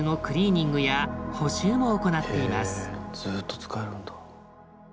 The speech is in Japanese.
ずっと使えるんだ。